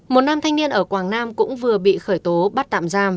một nam thanh niên ở quảng nam cũng vừa bị khởi tố bắt tạm giam